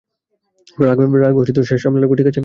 রাগ সামলে রাখো, ঠিক আছে?